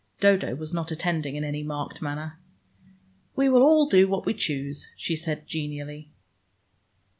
Dodo was not attending in any marked manner. "We will all do what we choose," she said genially.